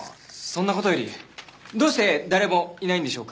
そんな事よりどうして誰もいないんでしょうか？